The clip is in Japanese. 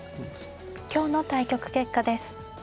今日の対局結果です。